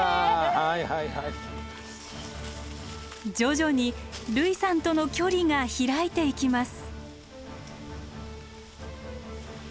徐々に類さんとの距離が開いていきます。